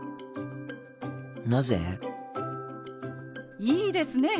なぜ？いいですね。